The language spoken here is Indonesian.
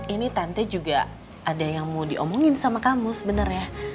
ini tente juga ada yang mau diomongin sama kamu sebenarnya